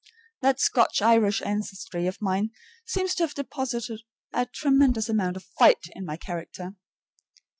That Scotch Irish ancestry of mine seems to have deposited a tremendous amount of FIGHT in my character.